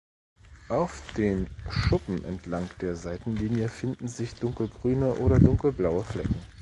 Auf den Schuppen entlang der Seitenlinie finden sich dunkelgrüne oder dunkelblaue Flecken.